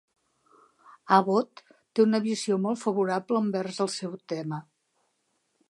Abbott té una visió molt favorable envers el seu tema.